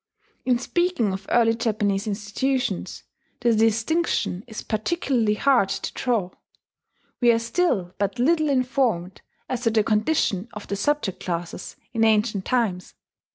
In speaking of early Japanese institutions, the distinction is particularly hard to draw: we are still but little informed as to the condition of the subject classes in ancient times.